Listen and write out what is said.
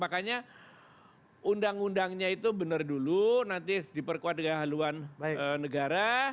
makanya undang undangnya itu benar dulu nanti diperkuat dengan haluan negara